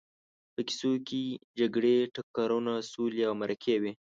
په کیسو کې جګړې، ټکرونه، سولې او مرکې وي.